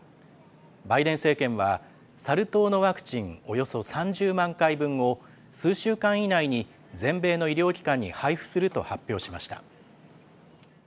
バイデン政権は、サル痘のワクチンおよそ３０万回分を、数週間以内に全米の医療機関に配布すると発表しました。